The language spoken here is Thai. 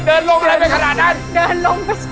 เดินลงไปช่าง